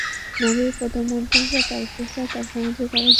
নারীর পদমর্যাদা, তাঁর পেশা, তাঁর সামাজিক অবস্থান এগুলো তার কাছে বিবেচ্য নয়।